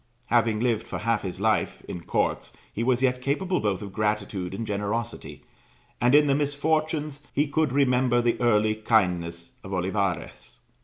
Having lived for half his life in courts, he was yet capable both of gratitude and generosity, and in the misfortunes, he could remember the early kindness of Olivares.